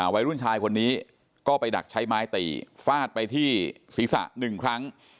วัยรุ่นชายคนนี้ก็ไปดักใช้ไม้ตีฟาดไปที่ศีรษะ๑ครั้ง